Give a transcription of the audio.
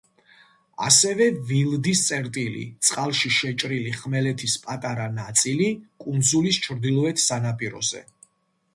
ასევე ვილდის წერტილი, წყალში შეჭრილი ხმელეთის პატარა ნაწილი კუნძულის ჩრდილოეთ სანაპიროზე.